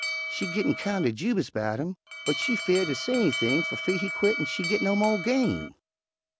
She gittin' kind er jubous 'bout him, but she 'feared ter say anything fer fear he quit an' she git no mo' game.